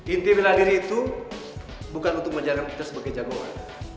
inti bela diri itu bukan untuk menjaga kita sebagai jagoan